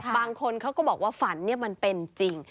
บางคนเขาก็บอกว่าฝันมันเป็นจริง